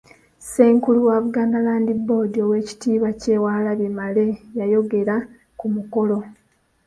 Ssenkulu wa Buganda Land Board Owekitiibwa Kyewalabye Male ng'ayogera ku mukolo.